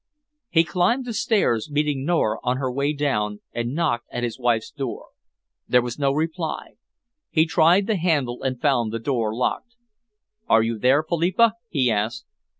He climbed the stairs, meeting Nora on her way down, and knocked at his wife's door. There was no reply. He tried the handle and found the door locked. "Are you there, Philippa?" he asked.